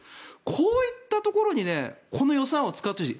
こういったところにこの予算を使ってほしい。